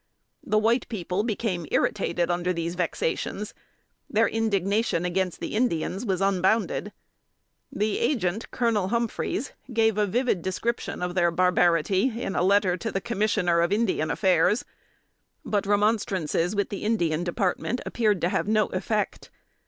The white people became irritated under these vexations. Their indignation against the Indians was unbounded. The Agent, Colonel Humphreys, gave a vivid description of their barbarity, in a letter to the Commissioner of Indian Affairs. But remonstrances with the Indian Department appeared to have no effect.